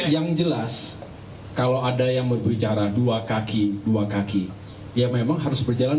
yang jelas kalau ada yang berbicara dua kaki dua kaki ya memang harus berjalan